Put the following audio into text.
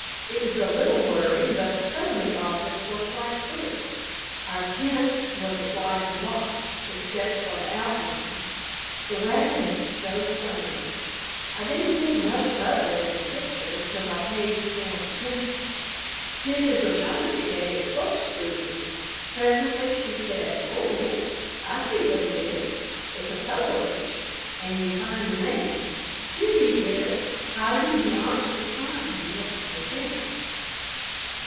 It was a little blurry, but some of the objects were quite clear. Our tent was a white blotch except for the outlines; the wagons showed plainly. I didn't think much of it as a picture, so I paid scant attention. Mrs. O'Shaughnessy gave it close scrutiny; presently she said, "Oh, yis, I see what it is. It's a puzzle picture and ye find the man. Here he is, hidin' beyont the pine next the tent."